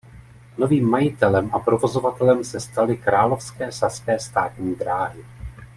Novým majitelem a provozovatelem se staly Královské saské státní dráhy.